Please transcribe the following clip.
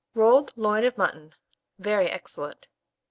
ROLLED LOIN OF MUTTON (Very Excellent).